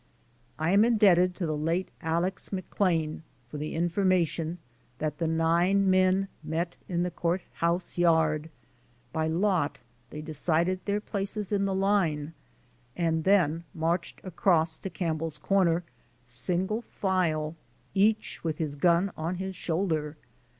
I am indebted to the late Alex. McClain for the informa tion that the nine men met in the Court House yard. By lot they decided their places in the line, and then marched across to CampbelPs Comer, single file, each with his gun on his shoulder.